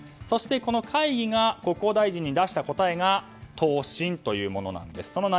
そしてこの会議が国交大臣に出した答えが答申というものなんですね。